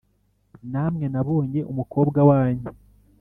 namwe nabonye umukobwa wanyu